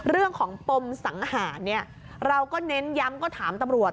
เรื่องของปมสังหารเนี่ยเราก็เน้นย้ำก็ถามตำรวจ